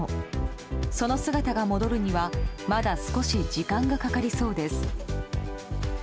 その姿が戻るにはまだ少し時間がかかりそうです。